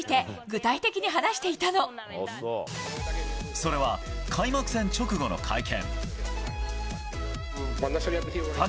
それは開幕戦直後の会見。